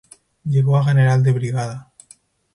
Llegó a general de brigada.